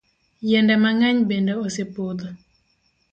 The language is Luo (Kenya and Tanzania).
Yiende mang'eny bende osepodho.